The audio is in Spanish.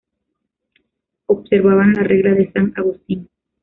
Observaban la regla de san Agustín.